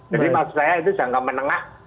jadi maksud saya itu jangka menengah